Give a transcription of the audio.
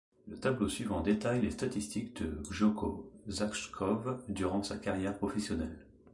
Le tableau suivant détaille les statistiques de Gjoko Zajkov durant sa carrière professionnelle.